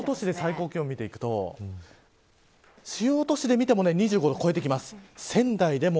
主要都市で最高気温を見ていくと主要都市で見ても２５度を超えてきます。